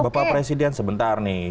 bapak presiden sebentar nih